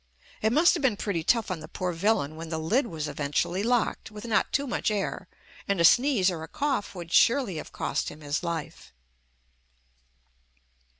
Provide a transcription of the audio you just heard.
It must have been pretty tough on the poor villain when the lid was eventually locked with not too much air and a sneeze or a cough would surely have cost him his life.